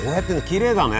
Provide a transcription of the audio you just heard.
きれいだね。